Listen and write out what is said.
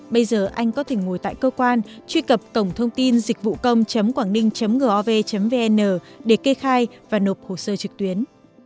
bây giờ anh có thể ngồi tại cơ quan truy cập cổng thông tin dịchvụcông quangninh gov vn để kê khai và nộp hồ sơ trực tuyến